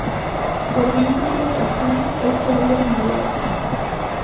Por múltiples razones esto ha ido cambiando.